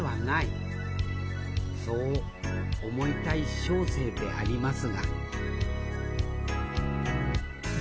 そう思いたい小生でありますがありがとう。